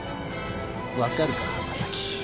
分かるか濱崎。